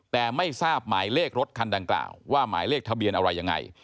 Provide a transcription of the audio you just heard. แต่ไม่ทราบหมายเลขรถคันดังกล่าวว่าหมายเลขทะเบียนอะไรยังไง